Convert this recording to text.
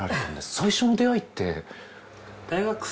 最初の出会いって。